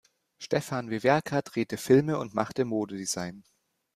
Stefan Wewerka drehte Filme und machte Modedesign.